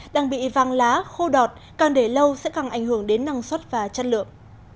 đang bị vàng lá khô đọt càng để lâu sẽ càng ảnh hưởng đến năng suất và chất lượng